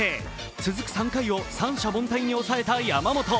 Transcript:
続く３回を三者凡退に抑えた山本。